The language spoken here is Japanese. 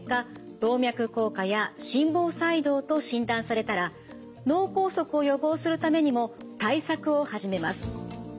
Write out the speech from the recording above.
動脈硬化や心房細動と診断されたら脳梗塞を予防するためにも対策を始めます。